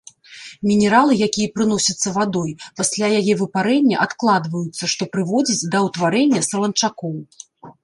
Мінералы, якія прыносяцца вадой, пасля яе выпарэння адкладваюцца, што прыводзіць да ўтварэння саланчакоў.